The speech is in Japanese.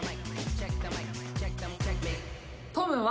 トムは。